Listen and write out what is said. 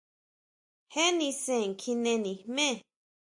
¿Jé nisen kjine nijme?